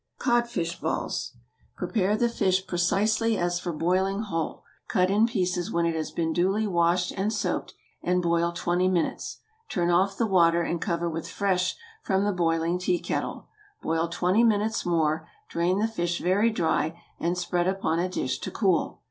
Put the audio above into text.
CODFISH BALLS. ✠ Prepare the fish precisely as for boiling whole. Cut in pieces when it has been duly washed and soaked, and boil twenty minutes. Turn off the water, and cover with fresh from the boiling tea kettle. Boil twenty minutes more, drain the fish very dry, and spread upon a dish to cool.